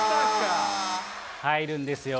入るんですよ。